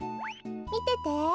みてて。